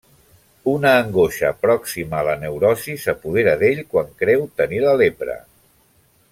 Una angoixa pròxima a la neurosi s'apodera d'ell quan creu tenir la lepra.